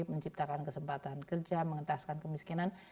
menciptakan kesempatan kerja mengentaskan kemiskinan